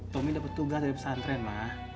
tomi dapet tugas dari pesantren ma